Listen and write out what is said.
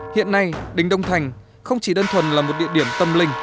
hiện nay đình đông thành không chỉ đơn thuần là một địa điểm tâm linh